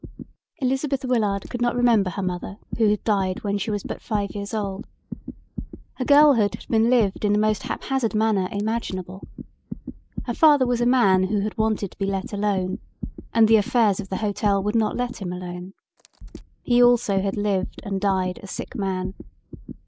Elizabeth Willard could not remember her mother who had died when she was but five years old. Her girlhood had been lived in the most haphazard manner imaginable. Her father was a man who had wanted to be let alone and the affairs of the hotel would not let him alone. He also had lived and died a sick man.